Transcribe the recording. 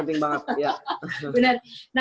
amin itu paling penting banget